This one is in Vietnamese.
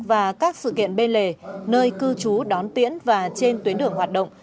và các sự kiện bên lề nơi cư trú đón tiễn và trên tuyến đường hoạt động